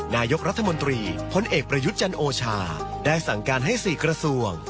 นายกรัฐมนตรีพลเอกประยุทธ์จันโอชาได้สั่งการให้๔กระทรวง